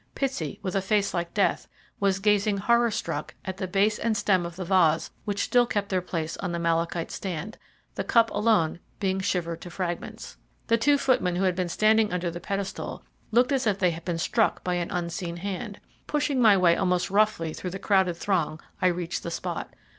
Pitsey, with a face like death, was gazing horror struck at the base and stem of the vase which still kept their place on the malachite stand, the cup alone being shivered to fragments. The two footmen, who had been standing under the pedestal, looked as if they had been struck by an unseen hand. Pushing my way almost roughly through the crowded throng I reached the spot.